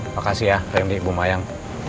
makasih ya rendy ibu mayang